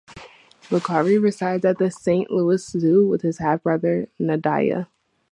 Bakari resides at the Saint Louis Zoo with his half-brother, Nadaya.